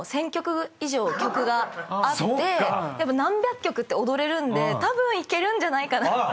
曲以上曲があって何百曲って踊れるんでたぶんいけるんじゃないかな。